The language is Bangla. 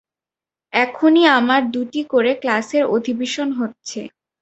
এখনই আমার দুটি করে ক্লাসের অধিবেশন হচ্ছে।